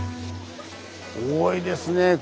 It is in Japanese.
多いですね。